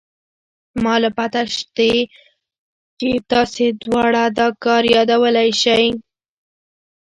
ما له پته شتې چې تاسې دواړه دا کار يادولې شې.